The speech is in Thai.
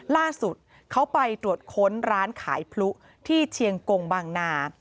ล่าสุดเขาไปตรวจค้นร้านขายพลุที่เชียงกงบางนา